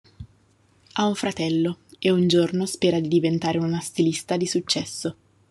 Ha un fratello e un giorno spera di diventare una stilista di successo.